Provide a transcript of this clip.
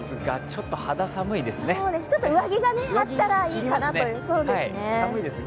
ちょっと上着があったら、寒いですね。